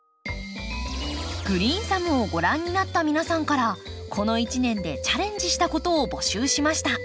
「グリーンサム」をご覧になった皆さんからこの一年でチャレンジしたことを募集しました。